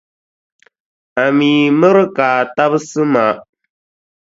A mi mira ka a tabisi ma.